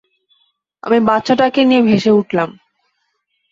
আমি বাচ্চাটাকে নিয়ে ভেসে উঠলাম।